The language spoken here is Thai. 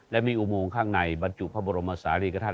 และมีอุโมงข้างในบรรจุพระบรมศาลีกฐ